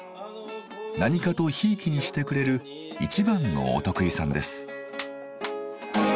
何かとひいきにしてくれる一番のお得意さんです。